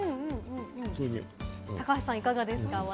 高橋さん、お味はいかがですか？